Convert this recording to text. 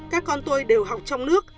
các con tôi đều học trong nước